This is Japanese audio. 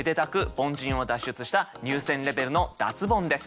凡人を脱出した入選レベルの脱ボンです。